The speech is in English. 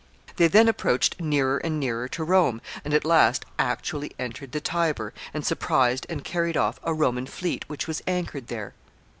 They then approached nearer and nearer to Rome, and at last actually entered the Tiber, and surprised and carried off a Roman fleet which was anchored there.